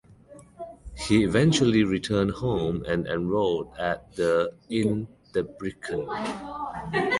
He eventually returned home and enrolled at the in Debrecen.